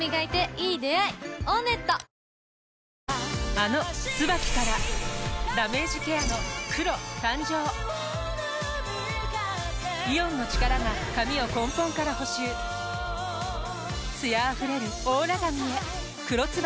あの「ＴＳＵＢＡＫＩ」からダメージケアの黒誕生イオンの力が髪を根本から補修艶あふれるオーラ髪へ「黒ＴＳＵＢＡＫＩ」